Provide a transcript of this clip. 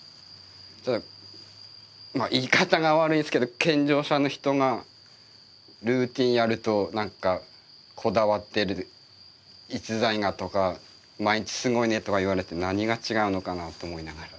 ただ言い方が悪いんですけど健常者の人がルーティンやると何かこだわってる逸材がとか毎日すごいねとか言われて何が違うのかなと思いながら。